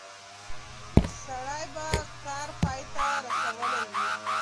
سړی به کار پای ته رسولی وي.